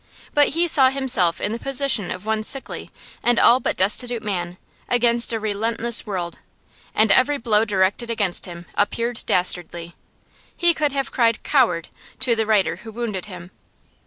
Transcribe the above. But he saw himself in the position of one sickly and all but destitute man against a relentless world, and every blow directed against him appeared dastardly. He could have cried 'Coward!' to the writer who wounded him.